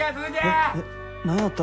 えっえっ何やった？